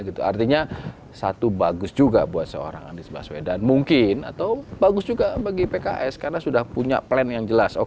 gitu artinya satu bagus juga buat seorang andis baswedan mungkin atau bagus juga bagi pks karena